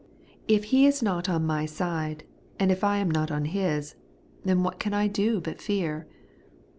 If He is not on my side, and if I am not on His, then what can I do but fear